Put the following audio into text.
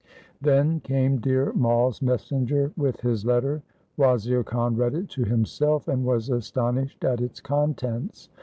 Then came Dhir Mai's messenger with his letter. Wazir Khan read it to himself and was astonished at its contents.